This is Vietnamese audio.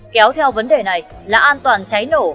kéo theo vấn đề này là an toàn cháy nổ